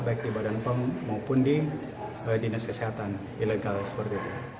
baik di badan pom maupun di dinas kesehatan ilegal seperti itu